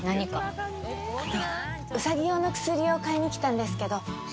ウサギ用の薬を買いに来たんですけど。